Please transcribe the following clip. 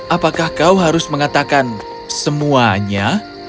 apakah kau harus mengatakan semuanya